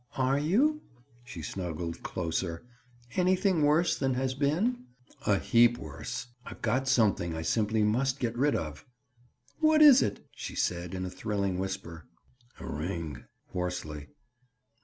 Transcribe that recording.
"Are you?" She snuggled closer. "Anything worse than has been?" "A heap worse! I've got something I simply must get rid of." "What is it?" she said in a thrilling whisper. "A ring." Hoarsely.